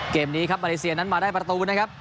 เกมนี้ครับมาเลเซียนั้นมาได้ประตูนะครับ